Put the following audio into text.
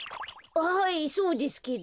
はいそうですけど。